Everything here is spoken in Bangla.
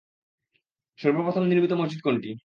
সর্বপ্রথম নির্মিত মসজিদ কোনটি?